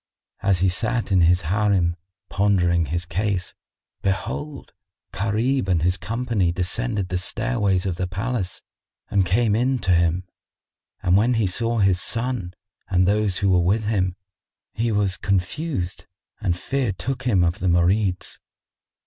As he sat in his Harim, pondering his case, behold, Gharib and his company descended the stairways of the palace and came in to him; and when he saw his son and those who were with him, he was confused and fear took him of the Marids.